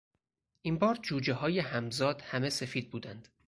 این بار جوجههای همزاد همه سفید بودند.